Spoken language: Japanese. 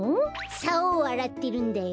さおをあらってるんだよ。